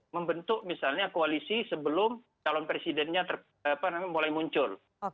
membentuk misalnya koalisi sebelum calon presidennya mulai muncul